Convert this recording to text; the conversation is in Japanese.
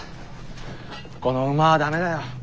この馬は駄目だよ。